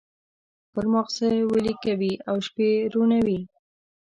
خپل مازغه ویلي کوي او شپې روڼوي.